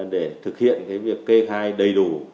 để thực hiện cái việc kê khai đầy đủ